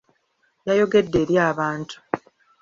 Yayogedde eri abantu.